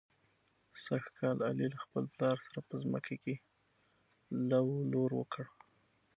سږ کال علي له خپل پلار سره په ځمکه کې لو لور وکړ.